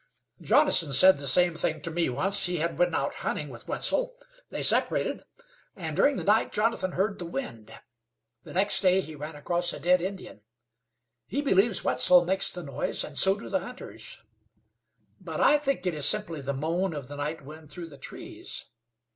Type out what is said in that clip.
"Jonathan said the same thing to me once. He had been out hunting with Wetzel; they separated, and during the night Jonathan heard the wind. The next day he ran across a dead Indian. He believes Wetzel makes the noise, and so do the hunters; but I think it is simply the moan of the night wind through the trees.